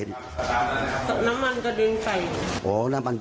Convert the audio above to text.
น้ำมันกระดูกใส